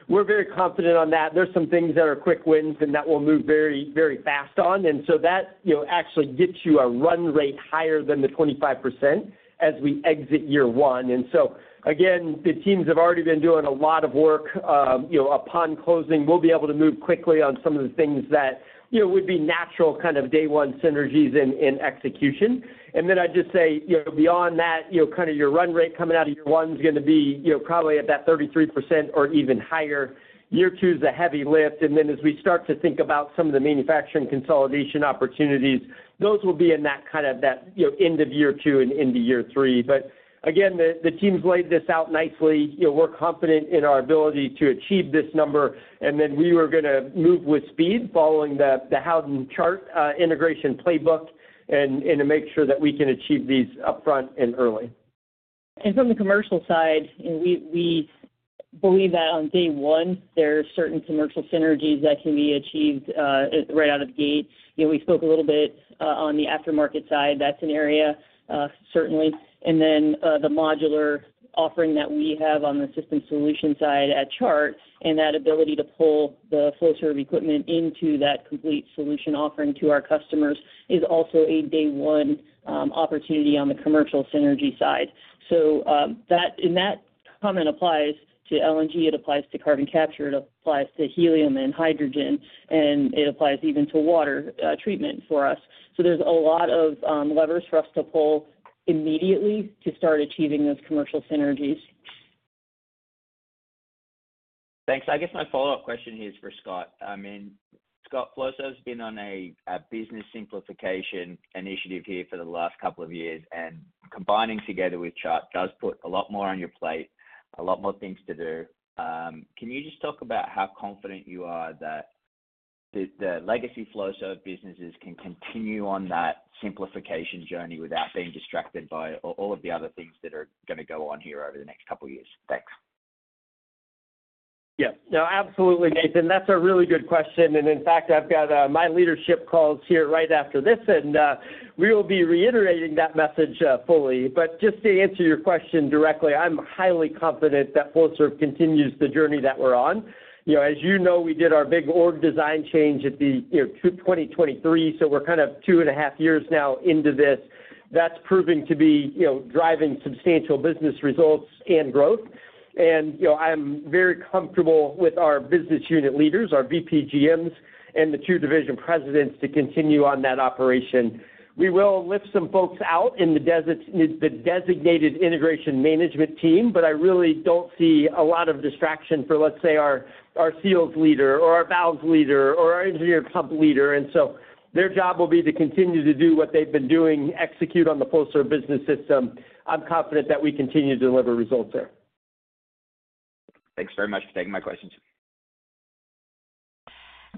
We're very confident on that. There are some things that are quick wins and that we'll move very, very fast on. That actually gets you a run rate higher than the 25% as we exit year one. The teams have already been doing a lot of work upon closing. We'll be able to move quickly on some of the things that would be natural kind of day one synergies in execution. I'd just say beyond that, your run rate coming out of year one is going to be probably at that 33% or even higher. Year two is a heavy lift. As we start to think about some of the manufacturing consolidation opportunities, those will be in that kind of end of year two and into year three. Again, the teams laid this out nicely. We're confident in our ability to achieve this number. We are going to move with speed following the Howden Chart integration playbook to make sure that we can achieve these upfront and early. From the commercial side, we believe that on day one, there are certain commercial synergies that can be achieved right out of the gate. We spoke a little bit on the aftermarket side. That is an area certainly. The modular offering that we have on the system solution side at Chart and that ability to pull the Flowserve equipment into that complete solution offering to our customers is also a day one opportunity on the commercial synergy side. That comment applies to LNG. It applies to carbon capture. It applies to helium and hydrogen. It applies even to water treatment for us. There are a lot of levers for us to pull immediately to start achieving those commercial synergies. Thanks. I guess my follow-up question here is for Scott. I mean, Scott, Flowserve has been on a business simplification initiative here for the last couple of years, and combining together with Chart does put a lot more on your plate, a lot more things to do. Can you just talk about how confident you are that the legacy Flowserve businesses can continue on that simplification journey without being distracted by all of the other things that are going to go on here over the next couple of years? Thanks. Yeah. No, absolutely, Nathan. That's a really good question. In fact, I've got my leadership calls here right after this, and we will be reiterating that message fully. Just to answer your question directly, I'm highly confident that Flowserve continues the journey that we're on. As you know, we did our big org design change in 2023, so we're kind of two and a half years now into this. That's proving to be driving substantial business results and growth. I'm very comfortable with our business unit leaders, our VP GMs, and the two division presidents to continue on that operation. We will lift some folks out in the designated integration management team, but I really don't see a lot of distraction for, let's say, our seals leader or our valves leader or our engineer pump leader. Their job will be to continue to do what they've been doing, execute on the Flowserve business system. I'm confident that we continue to deliver results there. Thanks very much for taking my questions.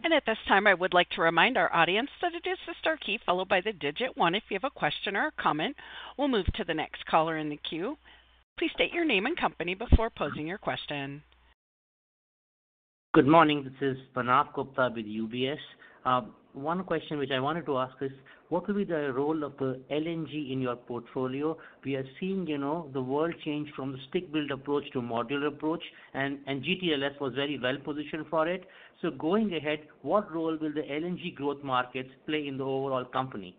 At this time, I would like to remind our audience that it is the star key followed by the digit one if you have a question or a comment. We will move to the next caller in the queue. Please state your name and company before posing your question. Good morning. This is Manav Gupta with UBS. One question which I wanted to ask is, what will be the role of the LNG in your portfolio? We are seeing the world change from the stick build approach to modular approach, and GTLS was very well positioned for it. Going ahead, what role will the LNG growth markets play in the overall company?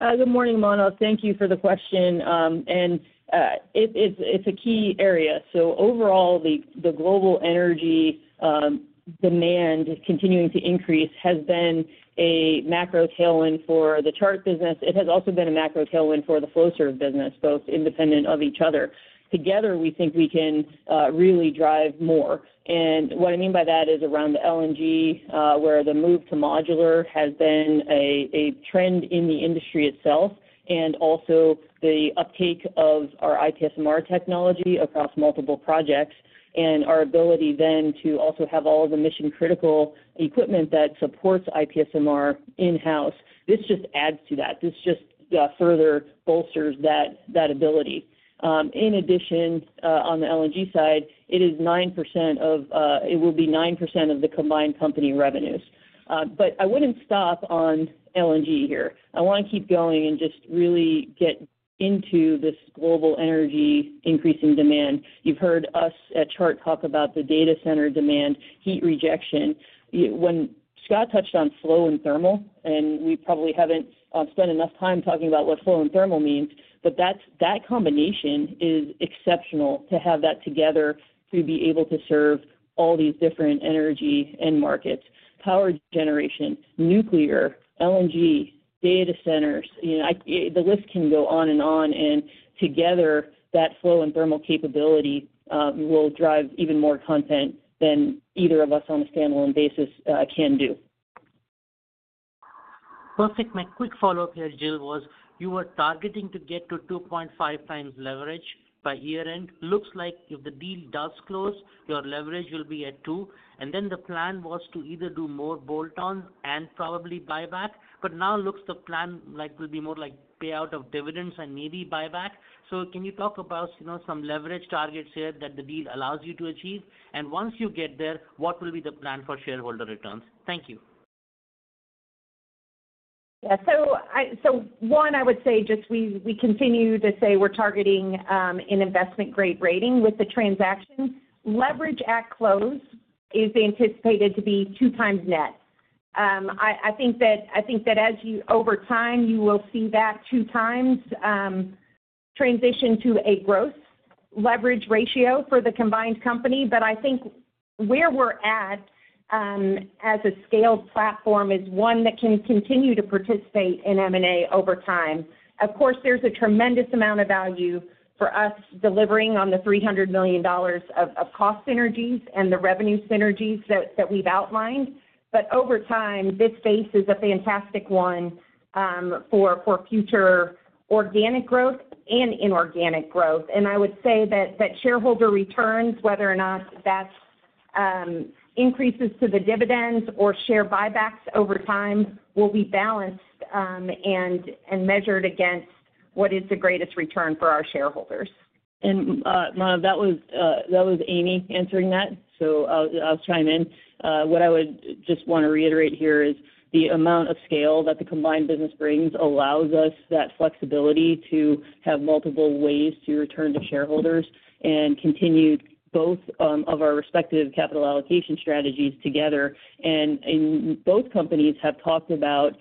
Good morning, Manav. Thank you for the question. It is a key area. Overall, the global energy demand is continuing to increase, has been a macro tailwind for the Chart business. It has also been a macro tailwind for the Flowserve business, both independent of each other. Together, we think we can really drive more. What I mean by that is around the LNG, where the move to modular has been a trend in the industry itself, and also the uptake of our IPSMR technology across multiple projects, and our ability then to also have all of the mission-critical equipment that supports IPSMR in-house. This just adds to that. This just further bolsters that ability. In addition, on the LNG side, it is 9% of, it will be 9% of the combined company revenues. I would not stop on LNG here. I want to keep going and just really get into this global energy increasing demand. You've heard us at Chart talk about the data center demand, heat rejection. When Scott touched on flow and thermal, we probably haven't spent enough time talking about what flow and thermal means, but that combination is exceptional to have that together to be able to serve all these different energy and markets: power generation, nuclear, LNG, data centers. The list can go on and on. Together, that flow and thermal capability will drive even more content than either of us on a standalone basis can do. Perfect. My quick follow-up here, Jill, was you were targeting to get to 2.5x leverage by year-end. Looks like if the deal does close, your leverage will be at two. The plan was to either do more bolt-on and probably buyback. Now looks the plan like will be more like payout of dividends and maybe buyback. Can you talk about some leverage targets here that the deal allows you to achieve? Once you get there, what will be the plan for shareholder returns? Thank you. Yeah. So one, I would say just we continue to say we're targeting an investment-grade rating with the transaction. Leverage at close is anticipated to be 2x net. I think that as you over time, you will see that 2x transition to a gross leverage ratio for the combined company. I think where we're at as a scaled platform is one that can continue to participate in M&A over time. Of course, there's a tremendous amount of value for us delivering on the $300 million of cost synergies and the revenue synergies that we've outlined. Over time, this space is a fantastic one for future organic growth and inorganic growth. I would say that shareholder returns, whether or not that increases to the dividends or share buybacks over time, will be balanced and measured against what is the greatest return for our shareholders. Mano, that was Amy answering that. I'll chime in. What I would just want to reiterate here is the amount of scale that the combined business brings allows us that flexibility to have multiple ways to return to shareholders and continue both of our respective capital allocation strategies together. Both companies have talked about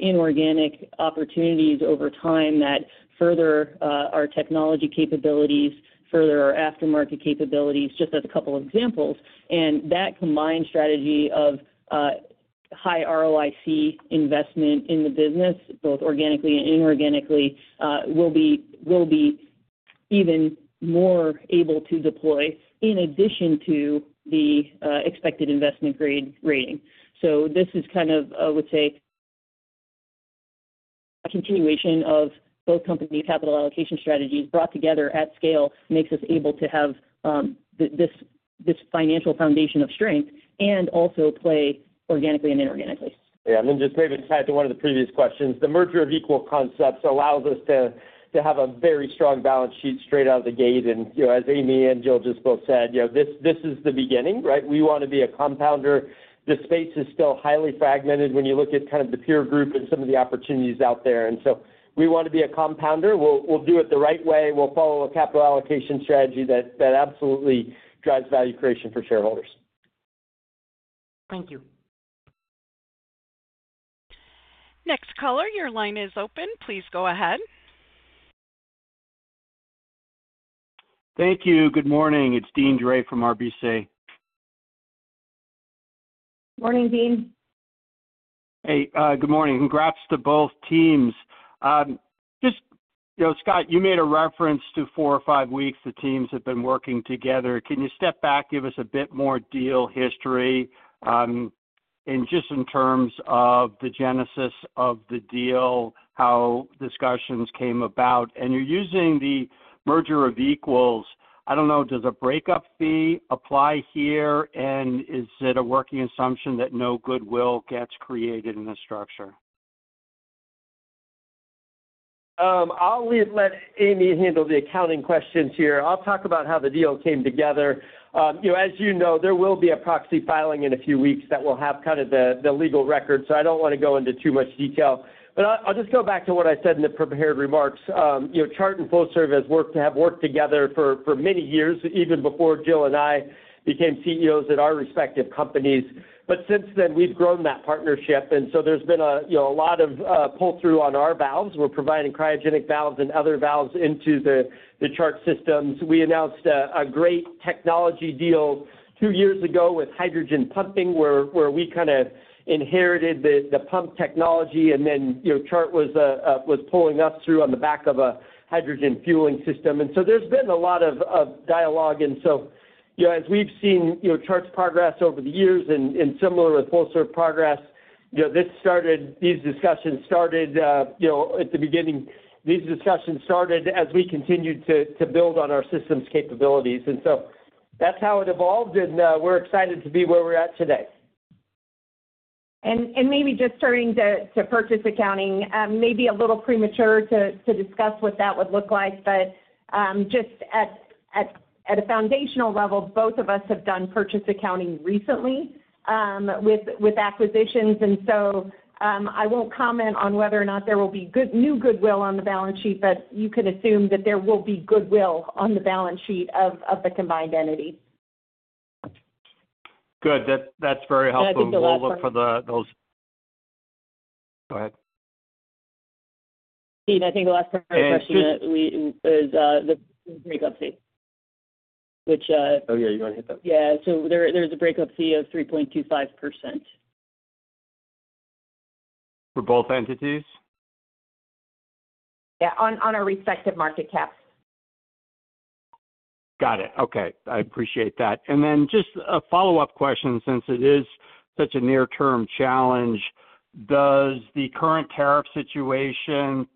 inorganic opportunities over time that further our technology capabilities, further our aftermarket capabilities, just as a couple of examples. That combined strategy of high ROIC investment in the business, both organically and inorganically, will be even more able to deploy in addition to the expected investment-grade rating. This is kind of, I would say, a continuation of both company capital allocation strategies brought together at scale makes us able to have this financial foundation of strength and also play organically and inorganically. Yeah. Just maybe tie it to one of the previous questions. The merger of equal concepts allows us to have a very strong balance sheet straight out of the gate. As Amy and Jill just both said, this is the beginning, right? We want to be a compounder. The space is still highly fragmented when you look at kind of the peer group and some of the opportunities out there. We want to be a compounder. We'll do it the right way. We'll follow a capital allocation strategy that absolutely drives value creation for shareholders. Thank you. Next caller, your line is open. Please go ahead. Thank you. Good morning. It's Dean Drake from RBC. Morning, Dean. Hey. Good morning. Congrats to both teams. Just, Scott, you made a reference to four or five weeks the teams have been working together. Can you step back, give us a bit more deal history? Just in terms of the genesis of the deal, how discussions came about. You're using the merger of equals. I don't know, does a breakup fee apply here? Is it a working assumption that no goodwill gets created in the structure? I'll let Amy handle the accounting questions here. I'll talk about how the deal came together. As you know, there will be a proxy filing in a few weeks that will have kind of the legal record. I don't want to go into too much detail. I'll just go back to what I said in the prepared remarks. Chart and Flowserve have worked together for many years, even before Jill and I became CEOs at our respective companies. Since then, we've grown that partnership. There's been a lot of pull-through on our valves. We're providing cryogenic valves and other valves into the Chart systems. We announced a great technology deal two years ago with hydrogen pumping, where we kind of inherited the pump technology. Chart was pulling us through on the back of a hydrogen fueling system. There has been a lot of dialogue. As we have seen Chart's progress over the years and similar with Flowserve progress, these discussions started at the beginning. These discussions started as we continued to build on our system's capabilities. That is how it evolved. We are excited to be where we are at today. Maybe just starting to purchase accounting, maybe a little premature to discuss what that would look like. Just at a foundational level, both of us have done purchase accounting recently with acquisitions. I won't comment on whether or not there will be new goodwill on the balance sheet, but you can assume that there will be goodwill on the balance sheet of the combined entity. Good. That's very helpful. We'll look for those. Go ahead. Dean, I think the last part of the question is the breakup fee. Oh, yeah. You want to hit that. Yeah. So there's a breakup fee of 3.25%. For both entities? Yeah. On our respective market caps. Got it. Okay. I appreciate that. Just a follow-up question, since it is such a near-term challenge. Does the current tariff situation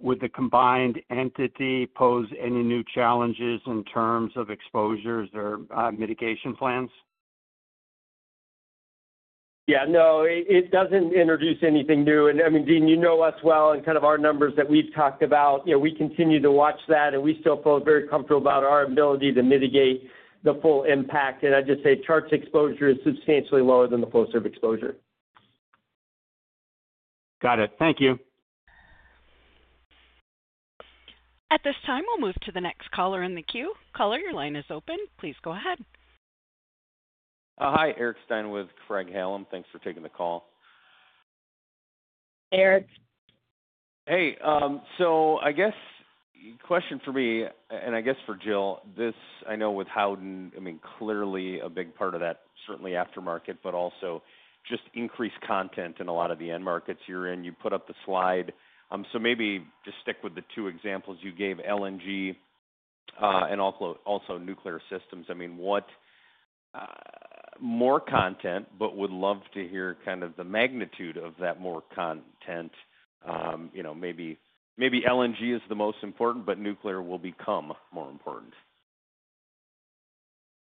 with the combined entity pose any new challenges in terms of exposures or mitigation plans? Yeah. No, it doesn't introduce anything new. I mean, Dean, you know us well and kind of our numbers that we've talked about. We continue to watch that, and we still feel very comfortable about our ability to mitigate the full impact. I'd just say Chart's exposure is substantially lower than the Flowserve exposure. Got it. Thank you. At this time, we'll move to the next caller in the queue. Caller, your line is open. Please go ahead. Hi, Eric Stine with Craig-Hallum. Thanks for taking the call. Eric. Hey. I guess question for me, and I guess for Jill, this I know with Howden, I mean, clearly a big part of that, certainly aftermarket, but also just increased content in a lot of the end markets you're in. You put up the slide. Maybe just stick with the two examples you gave, LNG and also nuclear systems. I mean, more content, but would love to hear kind of the magnitude of that more content. Maybe LNG is the most important, but nuclear will become more important.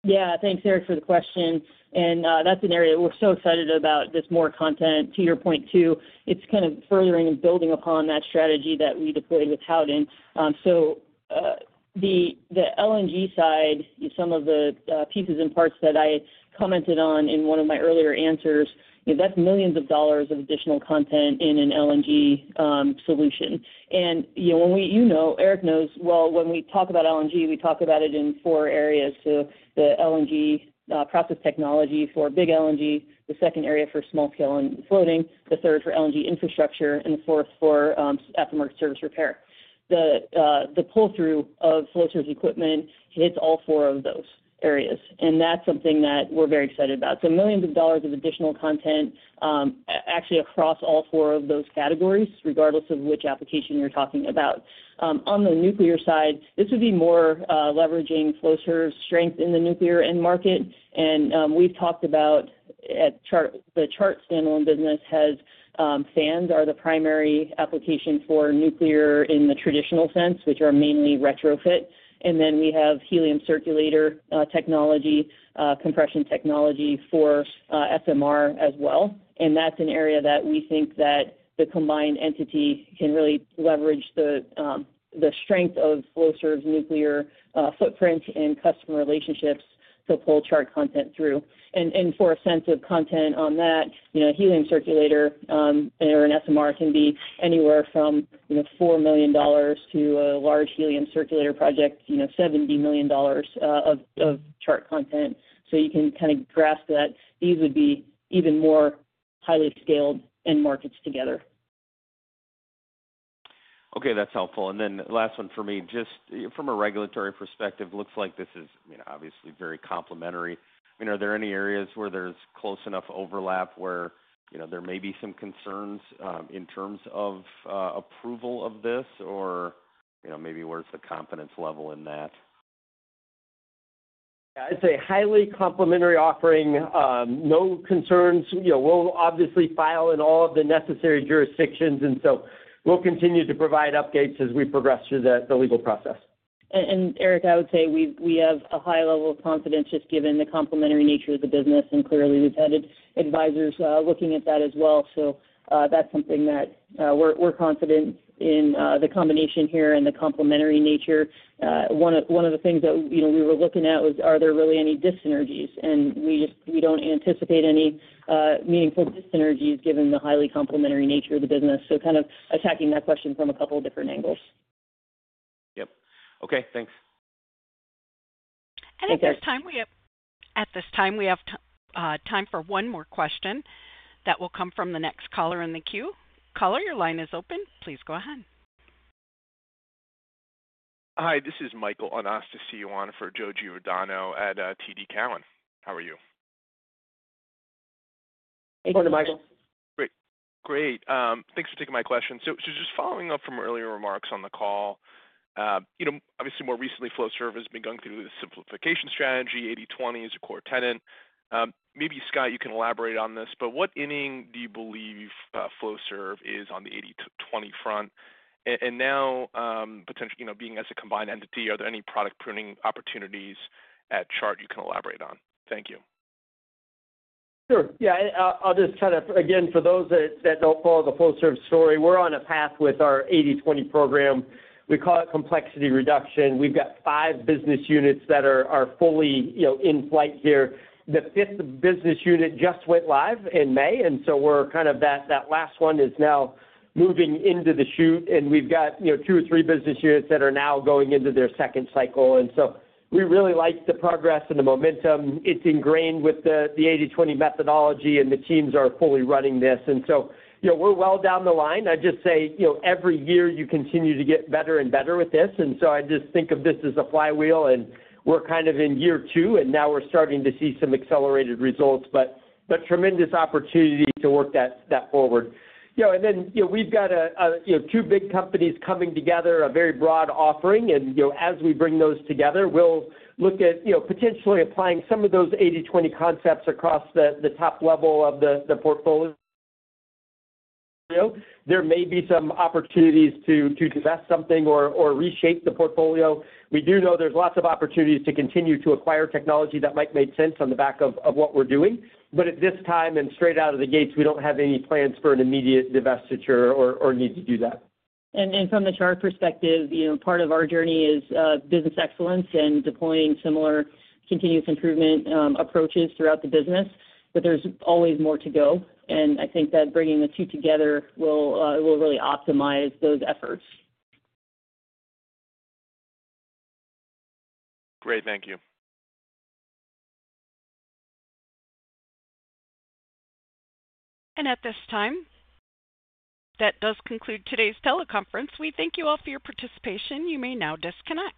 Yeah. Thanks, Eric, for the question. That's an area we're so excited about, this more content. To your point too, it's kind of furthering and building upon that strategy that we deployed with Howden. The LNG side, some of the pieces and parts that I commented on in one of my earlier answers, that's millions of dollars of additional content in an LNG solution. You know, Eric knows well, when we talk about LNG, we talk about it in four areas. The LNG process technology for big LNG, the second area for small scale and floating, the third for LNG infrastructure, and the fourth for aftermarket service repair. The pull-through of Flowserve's equipment hits all four of those areas. That's something that we're very excited about. Millions of dollars of additional content actually across all four of those categories, regardless of which application you're talking about. On the nuclear side, this would be more leveraging Flowserve's strength in the nuclear end market. We've talked about the Chart standalone business has fans are the primary application for nuclear in the traditional sense, which are mainly retrofit. Then we have helium circulator technology, compression technology for SMR as well. That's an area that we think that the combined entity can really leverage the strength of Flowserve's nuclear footprint and customer relationships to pull Chart content through. For a sense of content on that, helium circulator or an SMR can be anywhere from $4 million to a large helium circulator project, $70 million of Chart content. You can kind of grasp that these would be even more highly scaled end markets together. Okay. That's helpful. Last one for me, just from a regulatory perspective, looks like this is obviously very complementary. I mean, are there any areas where there's close enough overlap where there may be some concerns in terms of approval of this, or maybe where's the confidence level in that? I'd say highly complementary offering, no concerns. We'll obviously file in all of the necessary jurisdictions. We'll continue to provide updates as we progress through the legal process. Eric, I would say we have a high level of confidence just given the complementary nature of the business. Clearly, we've had advisors looking at that as well. That's something that we're confident in, the combination here and the complementary nature. One of the things that we were looking at was, are there really any dyssynergies? We don't anticipate any meaningful dyssynergies given the highly complementary nature of the business. Kind of attacking that question from a couple of different angles. Yep. Okay. Thanks. At this time, we have time for one more question that will come from the next caller in the queue. Caller, your line is open. Please go ahead. Hi. This is Michael. Awesome to see you on for Joe Giordano at TD Cowen. How are you? Thank you, Michael. Great. Thanks for taking my question. Just following up from earlier remarks on the call, obviously, more recently, Flowserve has been going through the simplification strategy, 80/20 as a core tenet. Maybe Scott, you can elaborate on this, but what inning do you believe Flowserve is on the 80/20 front? Now, potentially being as a combined entity, are there any product pruning opportunities at Chart you can elaborate on? Thank you. Sure. Yeah. I'll just kind of, again, for those that don't follow the Flowserve story, we're on a path with our 80/20 program. We call it complexity reduction. We've got five business units that are fully in flight here. The fifth business unit just went live in May. That last one is now moving into the chute. We've got two or three business units that are now going into their second cycle. We really like the progress and the momentum. It's ingrained with the 80/20 methodology, and the teams are fully running this. We're well down the line. I just say every year you continue to get better and better with this. I just think of this as a flywheel. We're kind of in year two, and now we're starting to see some accelerated results, but tremendous opportunity to work that forward. We've got two big companies coming together, a very broad offering. As we bring those together, we'll look at potentially applying some of those 80/20 concepts across the top level of the portfolio. There may be some opportunities to divest something or reshape the portfolio. We do know there's lots of opportunities to continue to acquire technology that might make sense on the back of what we're doing. At this time and straight out of the gates, we don't have any plans for an immediate divestiture or need to do that. From the Chart perspective, part of our journey is business excellence and deploying similar continuous improvement approaches throughout the business. There is always more to go. I think that bringing the two together will really optimize those efforts. Great. Thank you. At this time, that does conclude today's teleconference. We thank you all for your participation. You may now disconnect.